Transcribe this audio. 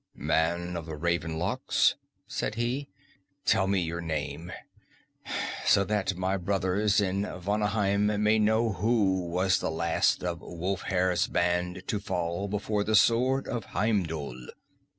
"Man of the raven locks," said he, "tell me your name, so that my brothers in Vanaheim may know who was the last of Wulfhere's band to fall before the sword of Heimdul."